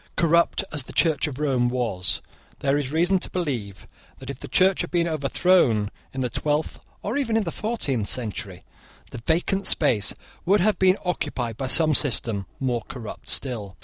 Corrupt as the Church of Rome was, there is reason to believe that, if that Church had been overthrown in the twelfth or even in the fourteenth century, the vacant space would have been occupied by some system more corrupt still.